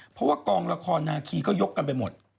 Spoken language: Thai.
เพราะว่ากองละครนาคีก็ยกกันไปหมด